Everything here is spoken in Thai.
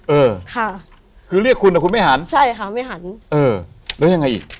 เออค่ะคือเรียกคุณแต่คุณไม่หันใช่ค่ะไม่หันเออแล้วยังไงอีก